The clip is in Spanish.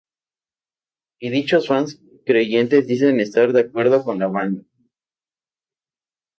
Y dichos fans creyentes dicen estar de acuerdo con la banda.